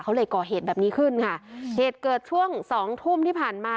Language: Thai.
เขาเลยก่อเหตุแบบนี้ขึ้นค่ะเหตุเกิดช่วงสองทุ่มที่ผ่านมา